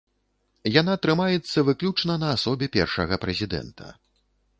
Яна трымаецца выключна на асобе першага прэзідэнта.